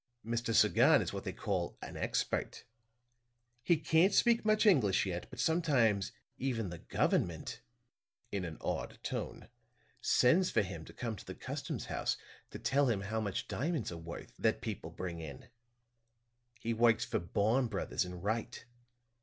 Mr. Sagon is what they call an expert. He can't speak much English yet, but sometimes even the government," in an awed tone, "sends for him to come to the customs house to tell them how much diamonds are worth, that people bring in. He works for Baum Brothers and Wright.